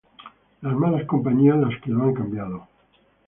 las malas compañías las que lo han cambiado